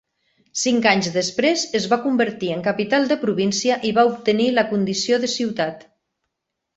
Cinc anys després es va convertir en capital de província i va obtenir la condició de ciutat.